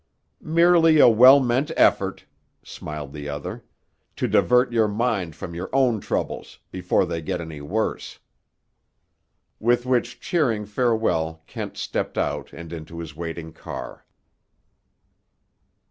"Merely a well meant effort," smiled the other, "to divert your mind from your own troubles—before they get any worse." With which cheering farewell Kent stepped out and into his waiting car.